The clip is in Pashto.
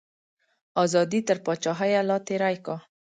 ازادي تر پاچاهیه لا تیری کا.